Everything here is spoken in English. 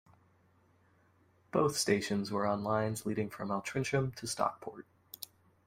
Both stations were on lines leading from Altrincham to Stockport.